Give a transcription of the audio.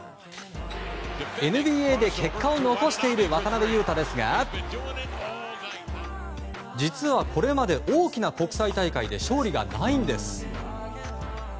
ＮＢＡで結果を残している渡邊雄太ですが実はこれまで大きな国際大会で勝利がないんです。